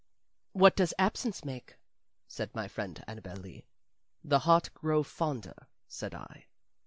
"What does absence make?" said my friend Annabel Lee. "The heart grow fonder," said I.